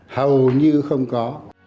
hầu như không có